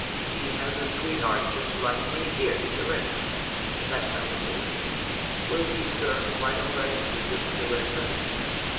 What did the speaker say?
He has a sweetheart just like me here, Teresa. That's how it is. Will you, sir, write a letter to this Teresa?"